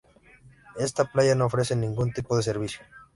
Esta playa no ofrece ningún tipo de servicio.